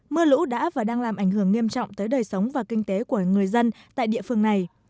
mưa lũ đã và đang làm ảnh hưởng nghiêm trọng tới đời sống và kinh tế của người dân tại địa phương này